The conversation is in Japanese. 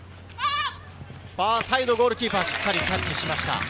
ファーサイド、ゴールキーパーがしっかりキャッチしました。